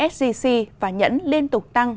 sgc và nhẫn liên tục tăng